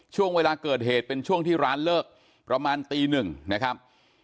ช่วงเวลาเกิดเหตุเป็นช่วงที่ร้านเลิกประมาณตีหนึ่งนะครับ